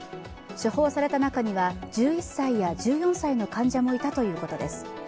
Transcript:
処方された中には１１歳や１４歳の患者もいたということです。